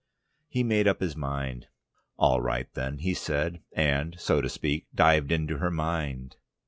He made up his mind. "All right then," he said, and, so to speak, dived into her mind.